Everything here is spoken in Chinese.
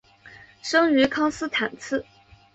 生于康斯坦茨。